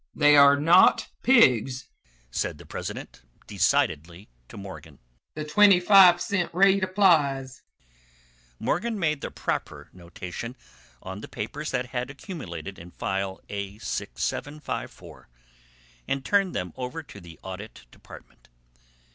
"They are not pigs," said the president, decidedly, to Morgan. "The twenty five cent rate applies." Morgan made the proper notation on the papers that had accumulated in File A6754, and turned them over to the Audit Department.